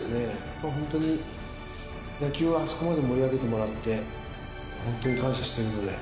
まあ本当に野球をあそこまで盛り上げてもらって本当に感謝してるので。